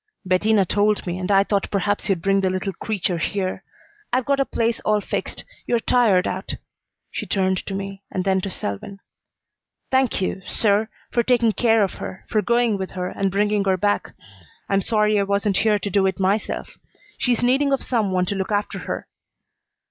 "Bettina told me, and I thought perhaps you'd bring the little creature here. I've got a place all fixed. You are tired out." She turned to me, and then to Selwyn. "Thank you, sir, for taking care of her for going with her and bringing her back. I'm sorry I wasn't here to do it myself. She's needing of some one to look after her."